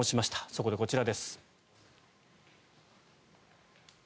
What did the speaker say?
そこでこちらです。